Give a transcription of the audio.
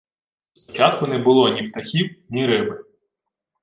Спочатку не було, ні птахів, ні риби.